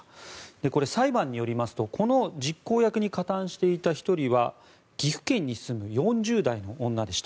これ、裁判によりますとこの実行役に加担していた１人は岐阜県に住む４０代の女でした。